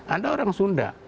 ada orang sunda